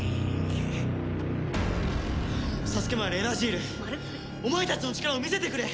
サスケマルエナジールお前たちの力を見せてくれ！